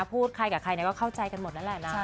พูดใครกับใครก็เข้าใจกันหมดนั่นแหละนะ